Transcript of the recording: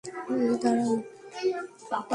এই, দাড়াও!